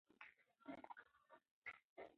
د بندونو ناروغي د عمر پورې تړاو لري.